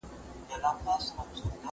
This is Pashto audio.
غوسه يې په عقل کنټرولوله.